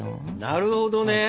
なるほどね。